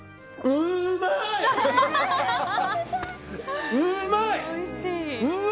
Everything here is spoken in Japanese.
うーまい！